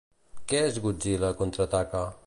Què és Godzilla contraataca?